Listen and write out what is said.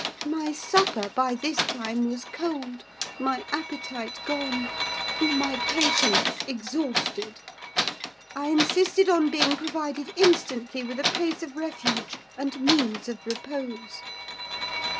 My supper by this time was cold, my appetite gone, and my patience exhausted. I insisted on being provided instantly with a place of refuge, and means of repose.